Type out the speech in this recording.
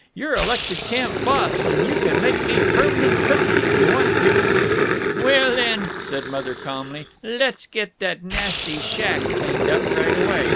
You're elected camp boss, and you can make me perm'nent cookee, if you want to." "Well, then," said Mother, calmly, "let's get that nasty shack cleaned up right away.